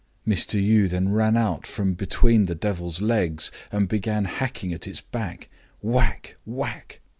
Mr. Yii then ran out from between the devil's legs, and began hacking at its back whack! whack!